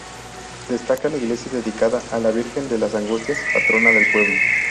Destaca la iglesia dedicada a la Virgen de las Angustias, patrona del pueblo.